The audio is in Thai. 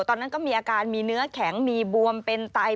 ตอนนั้นก็มีอาการมีเนื้อแข็งมีบวมเป็นไต